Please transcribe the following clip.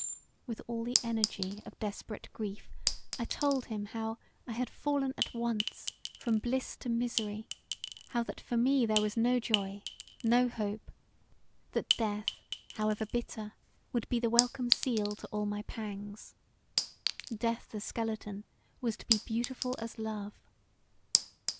With all the energy of desperate grief I told him how I had fallen at once from bliss to misery; how that for me there was no joy, no hope; that death however bitter would be the welcome seal to all my pangs; death the skeleton was to be beautiful as love.